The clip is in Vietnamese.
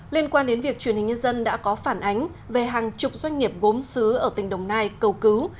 liên quan đến việc truyền hình nhân dân đã có phản ánh về hàng chục doanh nghiệp gốm xứ ở tỉnh đồng nai cầu cứu